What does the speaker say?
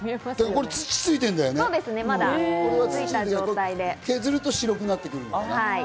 これ土がついてるんだよね、削ると白くなってくる。